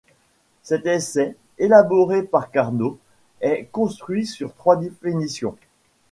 Cet essai, élaboré par Carnot, est construit sur trois définitions.